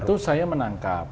tentu saya menangkap